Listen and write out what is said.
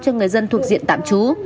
cho người dân thuộc diện tạm trú